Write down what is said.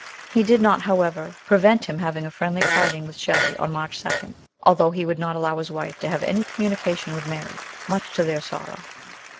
He did not, however, prevent him having a friendly parting with Shelley on March 2, although he would not allow his wife to have any communication with Mary much to their sorrow.